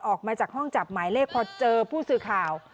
ออกมาจากห้องจับหมายเลขพอเจอผู้สื่อข่าว